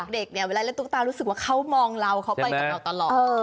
เด็กเนี่ยเวลาเล่นตุ๊กตารู้สึกว่าเขามองเราเขาไปกับเราตลอด